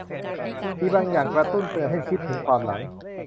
มีบางอย่างกระตุ้นเตือนให้คิดถึงความหลัง